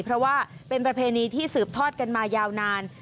เพราะว่าเป็นประเพณีที่สืบทอดกันมายาวนาน